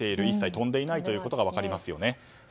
一切、飛んでいないことが分かりますよね。